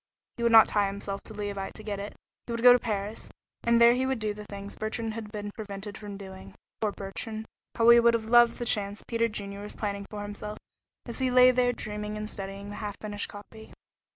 He would not tie himself to Leauvite to get it. He would go to Paris, and there he would do the things Bertrand had been prevented from doing. Poor Bertrand! How he would have loved the chance Peter Junior was planning for himself as he lay there dreaming and studying the half finished copy.